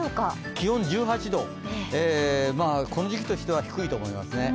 気温１８度、この時期としては寒いと思いますね。